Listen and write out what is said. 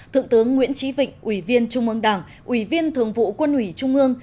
thượng tướng nguyễn trí vịnh ủy viên trung ương đảng ủy viên thường vụ quân ủy trung ương